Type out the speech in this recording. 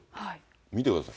見てください。